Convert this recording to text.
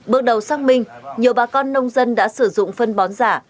bước đầu xác minh nhiều bà con nông dân đã sử dụng phân bón giả